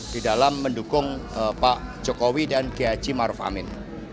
di dalam mendukung pak jokowi dan ghg maruf amin